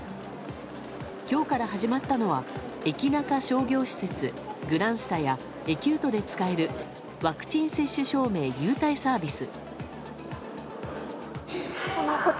今日から始まったのはエキナカ商業施設グランスタやエキュートで使えるワクチン接種証明優待サービス。